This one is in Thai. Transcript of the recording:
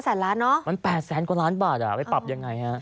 แสนล้านเนอะมัน๘แสนกว่าล้านบาทอ่ะไปปรับยังไงฮะ